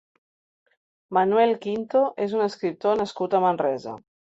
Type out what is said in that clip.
Manuel Quinto és un escriptor nascut a Manresa.